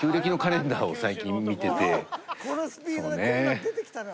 ようこのスピードでこんなん出てきたな。